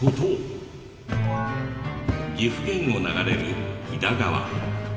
岐阜県を流れる飛騨川。